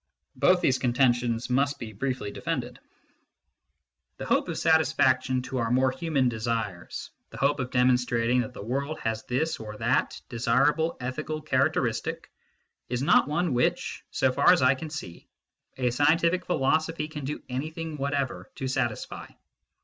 Both these contentions must be briefly defended. The hope of satisfaction to our more human desires the hope of demonstrating that the world has this or that desirable ethical characteristic is not one which, so far as I can see, a scientific philosophy can do anything whatever to satisfy.